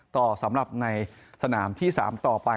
ต่อสำหรับในสนามที่๓ต่อไป